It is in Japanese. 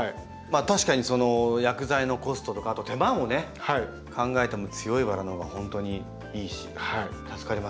確かに薬剤のコストとかあと手間を考えても強いバラのほうが本当にいいし助かりますよね。